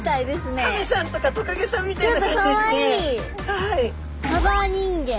はい。